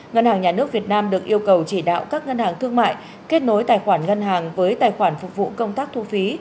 ngân hàng nhà nước việt nam được yêu cầu chỉ đạo các ngân hàng thương mại kết nối tài khoản ngân hàng với tài khoản phục vụ công tác thu phí